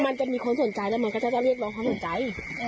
มันจะมีคนสนใจและมันก็จะเรียกเราคำสนใจ